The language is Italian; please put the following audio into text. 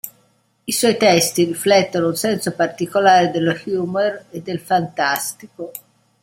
I suoi testi riflettono un senso particolare dello "humour" e del fantastico.